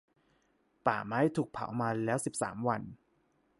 ป่าไม้ถูกเผามาแล้วสิบสามวัน